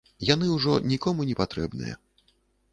Яны ўжо нікому не патрэбныя.